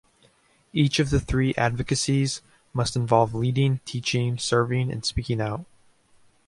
Each of the three Advocacies must involve leading, teaching, serving, and speaking out.